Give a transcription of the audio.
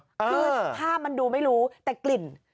คือภาพมันดูไม่รู้แต่กลิ่น